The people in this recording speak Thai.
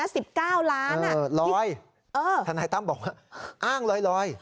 ๑๙ล้านอ่ะที่เออลอยทนายตั้มบอกว่าอ้างเลยลอย